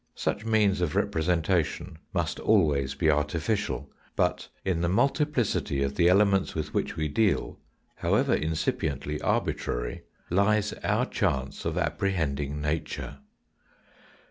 Such means of representation must always be artificial, but in the multiplicity of the elements with which we deal, however incipiently arbitrary, lies our chance of apprehending nature.